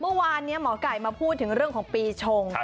เมื่อวานนี้หมอไก่มาพูดถึงเรื่องของปีชง